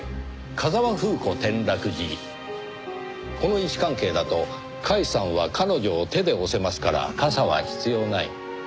風間楓子転落時この位置関係だと甲斐さんは彼女を手で押せますから傘は必要ない。